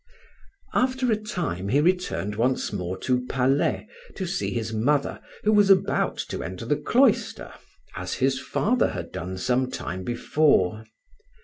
After a time he returned once more to Palais, to see his mother, who was about to enter the cloister, as his father had done some time before.